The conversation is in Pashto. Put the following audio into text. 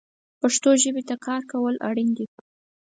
پښتو ژبې ته کار کول اړین دي